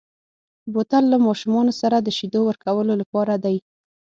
بوتل له ماشومو سره د شیدو ورکولو لپاره دی.